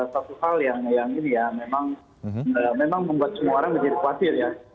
satu hal yang ini ya memang membuat semua orang menjadi khawatir ya